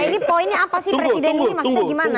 ini poinnya apa sih presiden ini maksudnya gimana